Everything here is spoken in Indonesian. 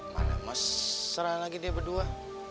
mana mesra lagi dia berdua